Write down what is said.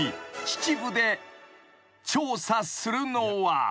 秩父で調査するのは］